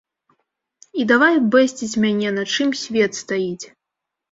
І давай бэсціць мяне на чым свет стаіць.